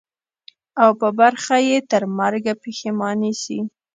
او په برخه یې ترمرګه پښېماني سي.